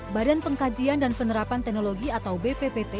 badan pengkajian dan penerapan teknologi atau bppt